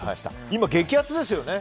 今、激アツですよね。